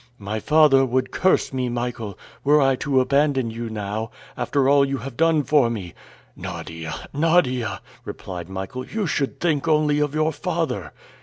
"My father would curse me, Michael, were I to abandon you now, after all you have done for me!" "Nadia, Nadia," replied Michael, "you should think only of your father!"